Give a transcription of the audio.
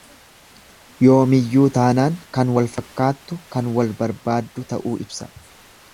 Yoomiyyuu taanaan kan walfakkaattu kan wal barbaaddu ta'uu ibsa.